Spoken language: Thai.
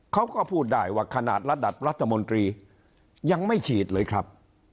เขาก็พูดได้ว่าขนาดระดับรัฐมนตรียังไม่ฉีดเลยครับ